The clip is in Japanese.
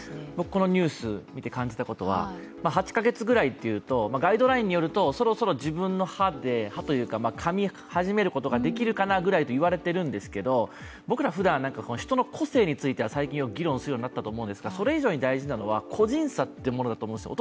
このニュース見て感じたことは８か月ぐらいっていうと、ガイドラインによるとそろそろ自分の歯でかみはじめることができるかなといわれていますが僕らふだん、人の個性についてはよく議論するようになったんですがそれ以上に大事なのは、個人差というものだと思うんですよ。